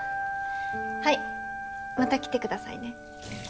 はいまた来てくださいね。